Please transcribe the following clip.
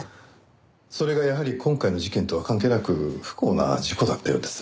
それがやはり今回の事件とは関係なく不幸な事故だったようです。